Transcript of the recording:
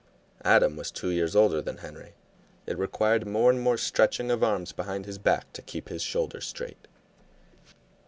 Adam was two years older than Henry; it required more and more stretching of arms behind his back to keep his shoulders straight.